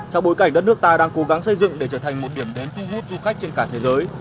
trong bối cảnh đất nước ta đang cố gắng xây dựng để trở thành một điểm đến thu hút du khách trên cả thế giới